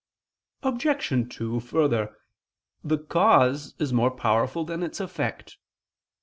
Obj. 2: Further, the cause is more powerful than its effect.